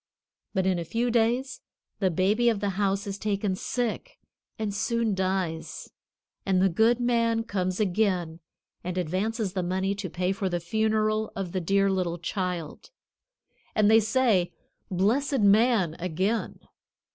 But in a few days the baby of the house is taken sick and soon dies, and the good man comes again and advances money to pay for the funeral of the dear little child; and they say, "Blessed man!" again.